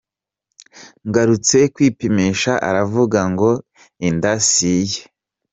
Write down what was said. Ngarutse kwipimisha aravuga ngo inda si iye.